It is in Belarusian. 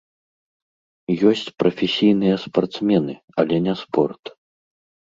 Ёсць прафесійныя спартсмены, але не спорт.